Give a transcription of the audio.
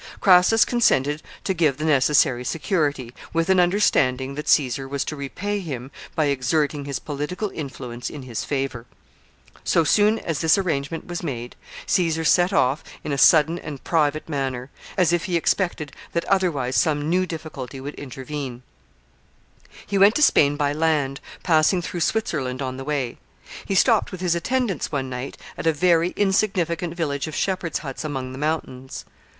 Crassus consented to give the necessary security, with an understanding that Caesar was to repay him by exerting his political influence in his favor. So soon as this arrangement was made, Caesar set off in a sudden and private manner, as if he expected that otherwise some new difficulty would intervene. [Sidenote: The Swiss hamlet.] He went to Spain by land, passing through Switzerland on the way. He stopped with his attendants one night at a very insignificant village of shepherds' huts among the mountains.